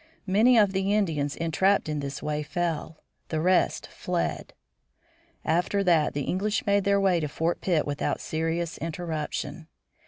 Many of the Indians entrapped in this way fell; the rest fled. After that the English made their way to Fort Pitt without serious interruption.